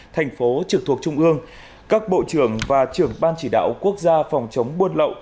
thành phố trực thuộc trung ương các bộ trưởng và trưởng ban chỉ đạo quốc gia phòng chống buôn lậu